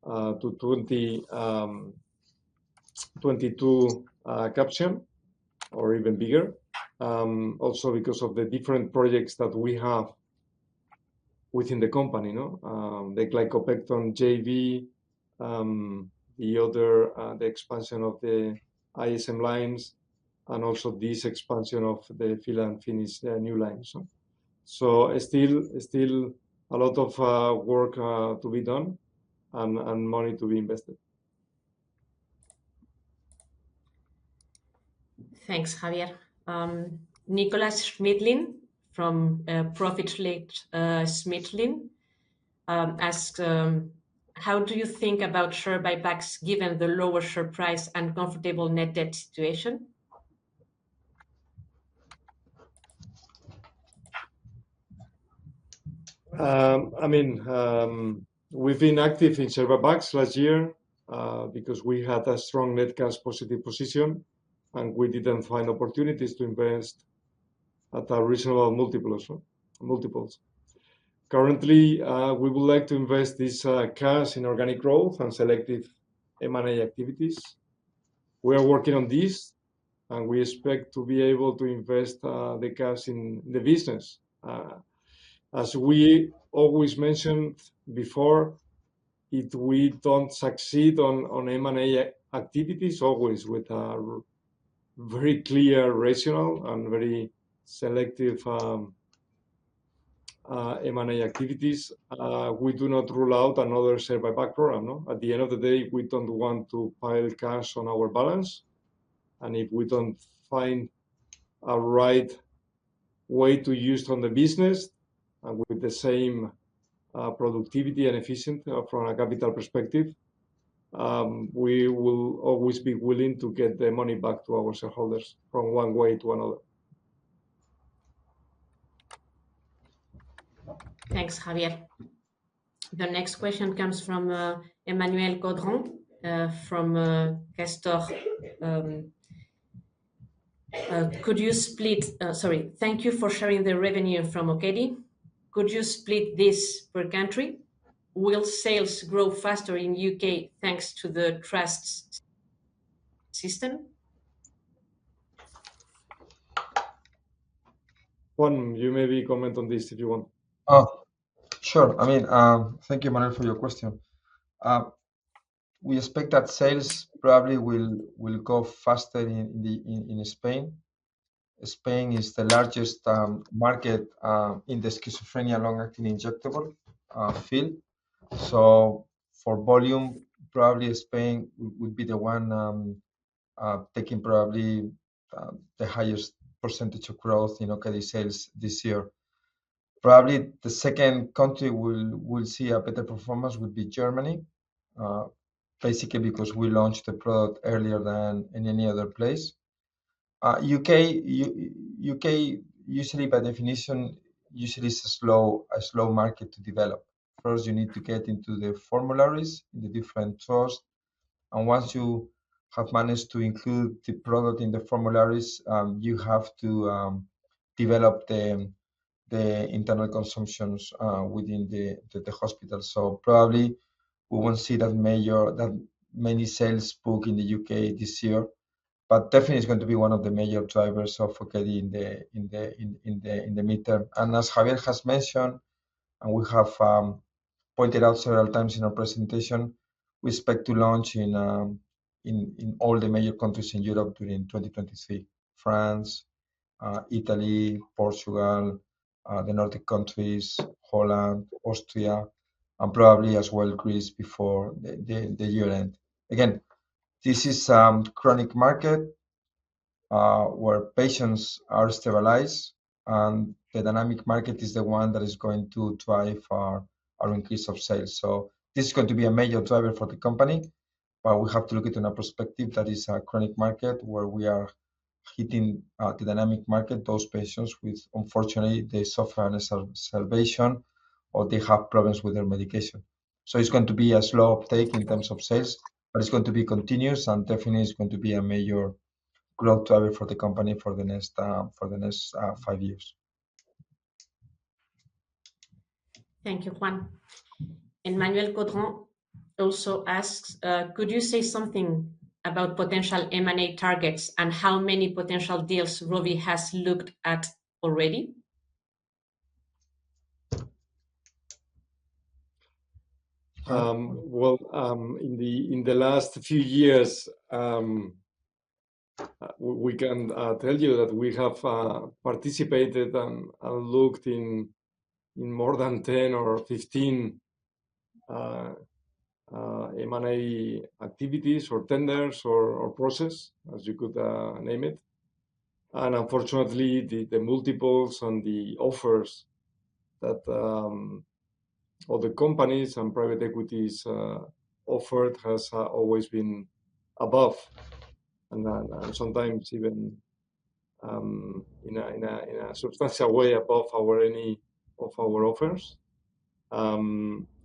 Speaker 1: 2022 CapEx or even bigger. Also because of the different projects that we have within the company, you know. The Glicopepton JV, the other, the expansion of the ISM lines, and also this expansion of the fill and finish new lines. Still a lot of work to be done and money to be invested.
Speaker 3: Thanks, Javier. Nicolas Schmidlin from ProfitlichSchmidlin asked, "How do you think about share buybacks given the lower share price and comfortable net debt situation?"
Speaker 1: I mean, we've been active in share buybacks last year, because we had a strong net cash positive position, and we didn't find opportunities to invest at a reasonable multiple as well, multiples. Currently, we would like to invest this cash in organic growth and selective M&A activities. We are working on this, and we expect to be able to invest the cash in the business. As we always mentioned before, if we don't succeed on M&A activities, always with a very clear rationale and very selective M&A activities, we do not rule out another share buyback program, no. At the end of the day, we don't want to pile cash on our balance. If we don't find a right way to use it on the business and with the same productivity and efficient from a capital perspective, we will always be willing to get the money back to our shareholders from one way to another.
Speaker 3: Thanks, Javier. The next question comes from Emmanuel Correia, from Stifel. Sorry. Thank you for sharing the revenue from OKEDI. Could you split this per country? Will sales grow faster in U.K. thanks to the trust system?
Speaker 1: Juan, you maybe comment on this if you want.
Speaker 2: Oh, sure. I mean, thank you Emmanuel for your question. We expect that sales probably will go faster in Spain. Spain is the largest market in the schizophrenia long-acting injectable field. For volume, probably Spain would be the one taking probably the highest percentage of growth in OKEDI sales this year. Probably the second country we'll see a better performance would be Germany, basically because we launched the product earlier than in any other place. U.K. usually by definition, usually is a slow market to develop. First, you need to get into the formularies in the different trusts, once you have managed to include the product in the formularies, you have to develop the internal consumptions within the hospital. Probably we won't see that major, that many sales spook in the U.K. this year, but definitely it's going to be one of the major drivers of OKEDI in the midterm. As Javier has mentioned, and we have pointed out several times in our presentation, we expect to launch in all the major countries in Europe during 2023. France, Italy, Portugal, the Nordic countries, Holland, Austria, and probably as well Greece before the year end. Again, this is a chronic market where patients are stabilized, and the dynamic market is the one that is going to drive our increase of sales. This is going to be a major driver for the company, but we have to look it in a perspective that is a chronic market where we are hitting the dynamic market, those patients with, unfortunately, they suffer an exacerbation or they have problems with their medication. It's going to be a slow uptake in terms of sales, but it's going to be continuous and definitely it's going to be a major growth driver for the company for the next five years.
Speaker 3: Thank you, Juan. Emmanuel Correia also asks, "Could you say something about potential M&A targets and how many potential deals Rovi has looked at already?"
Speaker 1: Well, in the last few years, we can tell you that we have participated and looked in more than 10 or 15 M&A activities or tenders or process, as you could name it. Unfortunately, the multiples and the offers that other companies and private equities offered has always been above and sometimes even in a substantial way above our any of our offers.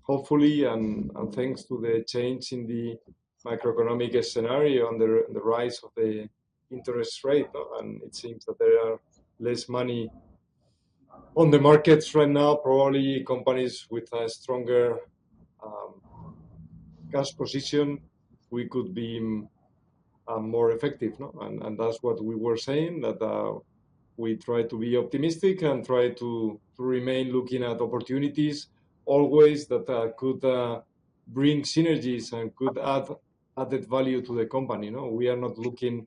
Speaker 1: Hopefully and thanks to the change in the macroeconomic scenario and the rise of the interest rate, and it seems that there are less money on the markets right now, probably companies with a stronger cash position, we could be more effective, no? That's what we were saying, that we try to be optimistic and try to remain looking at opportunities always that could bring synergies and could add added value to the company. No, we are not looking,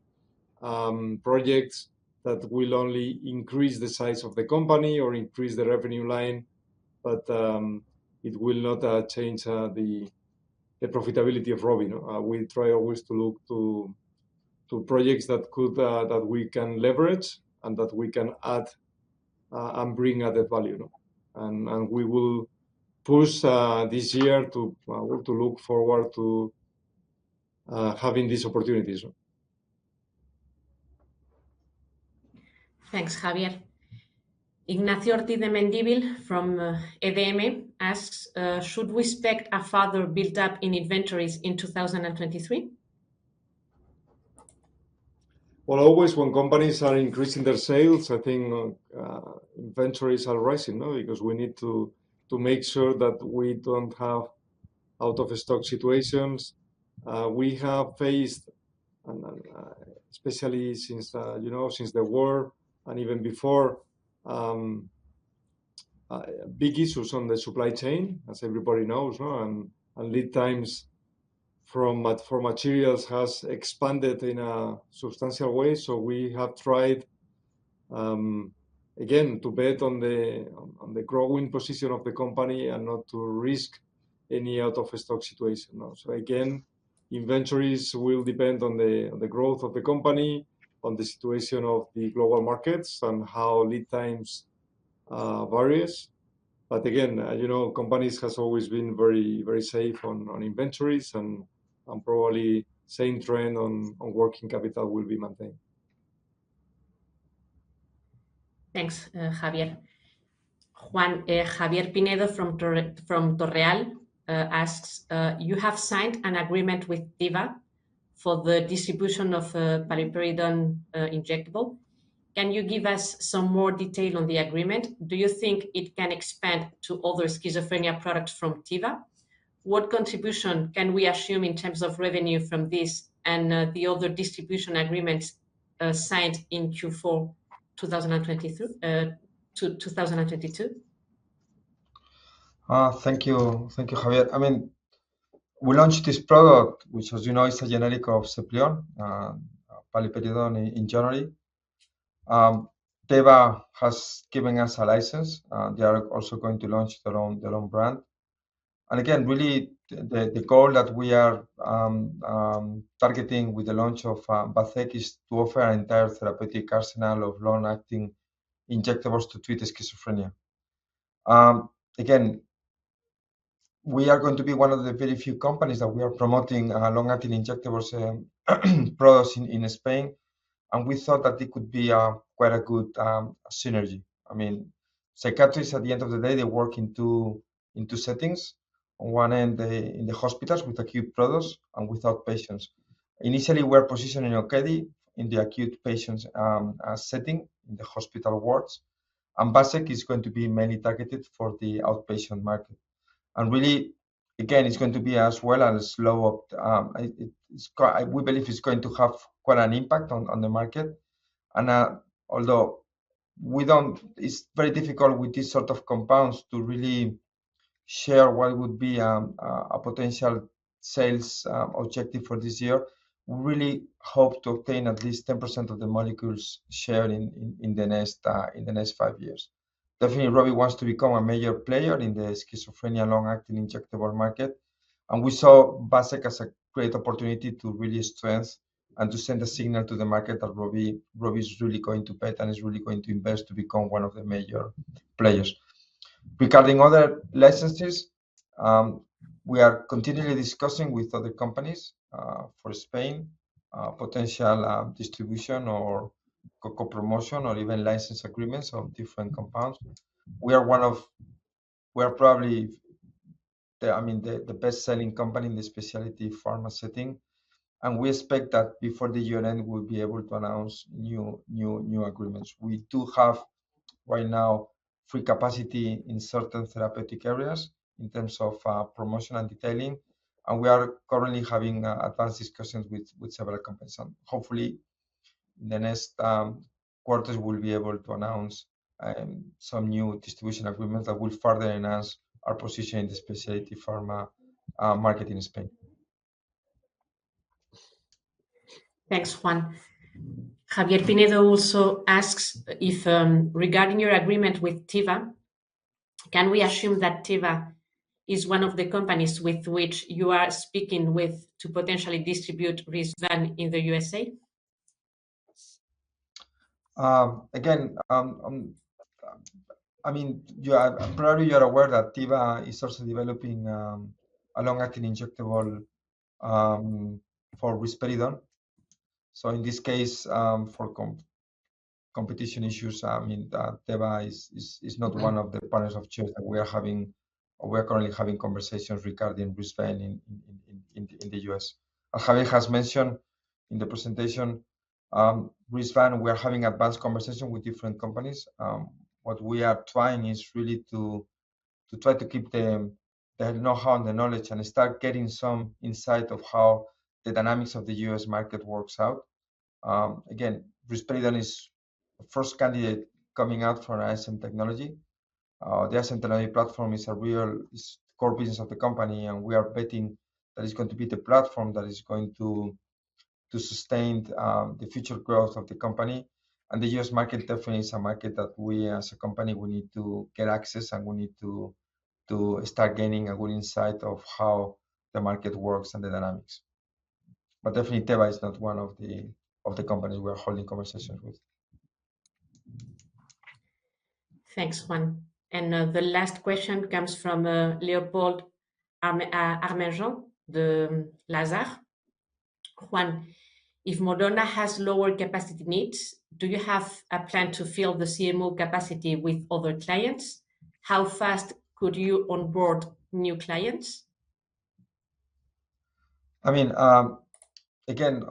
Speaker 1: projects that will only increase the size of the company or increase the revenue line, but it will not change the profitability of Rovi, no. We try always to look to projects that could that we can leverage and that we can add and bring added value, no. We will push this year to look forward to having these opportunities.
Speaker 3: Thanks, Javier. Ignacio Ortiz de Mendívil from EDM asks, "Should we expect a further build-up in inventories in 2023?
Speaker 2: Always when companies are increasing their sales, I think inventories are rising. Because we need to make sure that we don't have out of stock situations. We have faced and especially since, you know, since the war and even before, big issues on the supply chain, as everybody knows, and lead times for materials has expanded in a substantial way. We have tried again to bet on the growing position of the company and not to risk any out of stock situation. Again, inventories will depend on the growth of the company, on the situation of the global markets and how lead times varies. Again, you know, companies has always been very safe on inventories and probably same trend on working capital will be maintained.
Speaker 3: Thanks, Javier. Juan, Javier Pinedo from Torreal asks, "You have signed an agreement with Teva for the distribution of paliperidone injectable. Can you give us some more detail on the agreement? Do you think it can expand to other schizophrenia products from Teva? What contribution can we assume in terms of revenue from this and the other distribution agreements signed in Q4 2023 to 2022?
Speaker 2: Thank you. Thank you, Javier. I mean, we launched this product, which as you know is a genetic of XEPLION, paliperidone in January. Teva has given us a license. They are also going to launch their own brand. Again, really the goal that we are targeting with the launch of Basec is to offer an entire therapeutic arsenal of long-acting injectables to treat schizophrenia. Again, we are going to be one of the very few companies that we are promoting long-acting injectables products in Spain, and we thought that it could be quite a good synergy. I mean, psychiatrists at the end of the day, they work in two settings. On one end, in the hospitals with acute products and with outpatients. Initially, we're positioning OKEDI in the acute patients setting, in the hospital wards. Basec is going to be mainly targeted for the outpatient market. Really, again, it's going to be as well a slow opt. We believe it's going to have quite an impact on the market. Although we don't. It's very difficult with these sort of compounds to really share what would be a potential sales objective for this year. We really hope to obtain at least 10% of the molecules shared in the next five years. Definitely, Rovi wants to become a major player in the schizophrenia long-acting injectable market. We saw Basec as a great opportunity to really strengthen and to send a signal to the market that Rovi is really going to bet and is really going to invest to become one of the major players. Regarding other licenses, we are continually discussing with other companies for Spain, potential distribution or co-promotion or even license agreements on different compounds. We are probably, I mean, the best-selling company in the specialty pharma setting, and we expect that before the year-end, we'll be able to announce new agreements. We do have right now free capacity in certain therapeutic areas in terms of promotion and detailing, and we are currently having advanced discussions with several companies. Hopefully, in the next quarters, we'll be able to announce some new distribution agreements that will further enhance our position in the specialty pharma market in Spain.
Speaker 3: Thanks, Juan. Javier Pinedo also asks if, regarding your agreement with Teva. Can we assume that Teva is one of the companies with which you are speaking with to potentially distribute Risvan in the U.S.A.?
Speaker 2: Again, I mean, probably you're aware that Teva is also developing a long-acting injectable for risperidone. In this case, for competition issues, I mean, Teva is not one of the partners of choice that we are having or we're currently having conversations regarding Risvan in the U.S. As Javier has mentioned in the presentation, Risvan, we're having advanced conversation with different companies. What we are trying is really to try to keep the know-how and the knowledge and start getting some insight of how the dynamics of the U.S. market works out. Again, risperidone is the first candidate coming out for our ISM technology. The ISM technology platform is core business of the company, and we are betting that it's going to be the platform that is going to sustain the future growth of the company. The U.S. market definitely is a market that we as a company, we need to get access, and we need to start gaining a good insight of how the market works and the dynamics. Definitely Teva is not one of the companies we are holding conversations with.
Speaker 3: Thanks, Juan. The last question comes from Léopold Arminjon, Lazard. Juan, if Moderna has lower capacity needs, do you have a plan to fill the CMO capacity with other clients? How fast could you onboard new clients?
Speaker 2: I mean, again,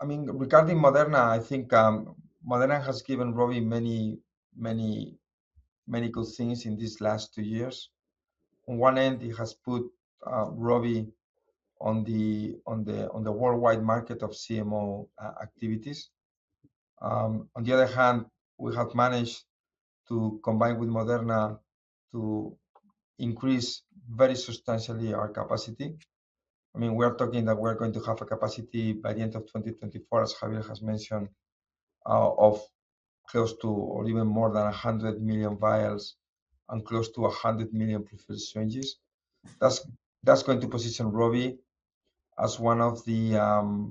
Speaker 2: I mean, regarding Moderna, I think, Moderna has given Rovi many, many, many good things in these last two years. On one end, it has put Rovi on the worldwide market of CMO activities. On the other hand, we have managed to combine with Moderna to increase very substantially our capacity. I mean, we are talking that we're going to have a capacity by the end of 2024, as Javier has mentioned, of close to or even more than 100 million vials and close to 100 million prefilled syringes. That's going to position Rovi as one of the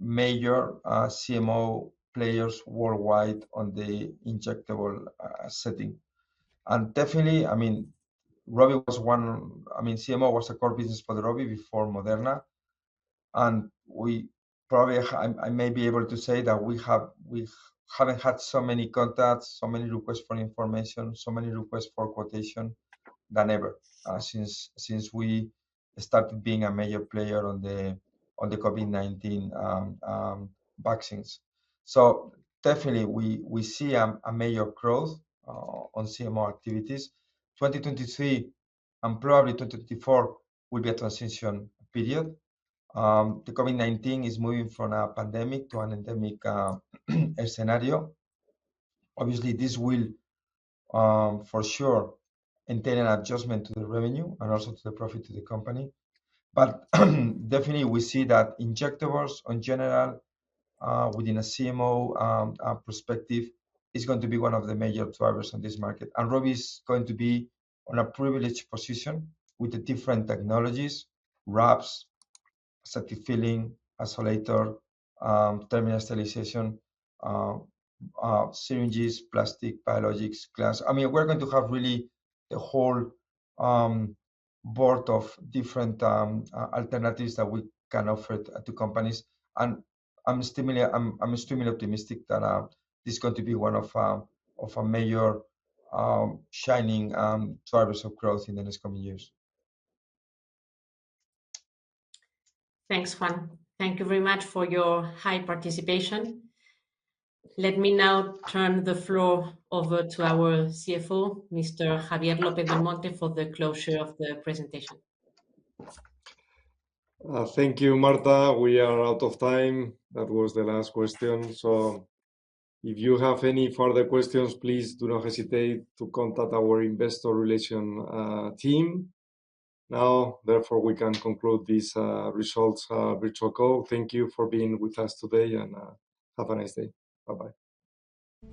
Speaker 2: major CMO players worldwide on the injectable setting. Definitely, I mean, Rovi was one. I mean, CMO was a core business for Rovi before Moderna. We probably have, I may be able to say that we haven't had so many contacts, so many requests for information, so many requests for quotation than ever, since we started being a major player on the COVID-19 vaccines. Definitely we see a major growth on CMO activities. 2023 and probably 2024 will be a transition period. The COVID-19 is moving from a pandemic to an endemic scenario. Obviously, this will for sure entail an adjustment to the revenue and also to the profit of the company. Definitely we see that injectables in general, within a CMO perspective is going to be one of the major drivers in this market. Rovi is going to be on a privileged position with the different technologies, wraps, aseptic filling, isolator, terminal sterilization, syringes, plastic, biologics, glass. I mean, we're going to have really a whole board of different alternatives that we can offer to companies. I'm extremely optimistic that this is going to be one of our major shining drivers of growth in the next coming years.
Speaker 3: Thanks, Juan. Thank you very much for your high participation. Let me now turn the floor over to our CFO, Mr. Javier López-Belmonte, for the closure of the presentation.
Speaker 1: Thank you, Marta. We are out of time. That was the last question. If you have any further questions, please do not hesitate to contact our investor relations team. Therefore, we can conclude this, results, virtual call. Thank you for being with us today, and, have a nice day. Bye-bye.